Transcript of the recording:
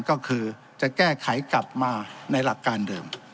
ก็คือจะแก้ไขกลับมาในหลักการเดิม